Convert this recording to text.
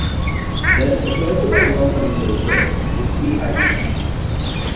There is a circular walk around the reserve, with three hides.